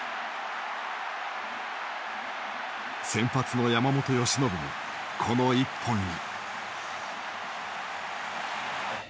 先発の山本由伸もこの１本に。